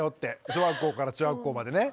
小学校から中学校までね。